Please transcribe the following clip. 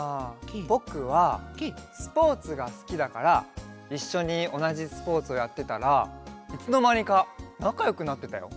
ぼくはスポーツがすきだからいっしょにおなじスポーツをやってたらいつのまにかなかよくなってたよ。